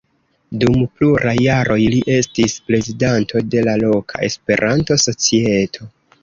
Dum pluraj jaroj li estis prezidanto de la loka Esperanto-societo.